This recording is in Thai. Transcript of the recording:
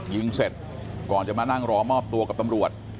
ยิงเสร็จก่อนจะมานั่งรอมอบตัวกับตำรวจ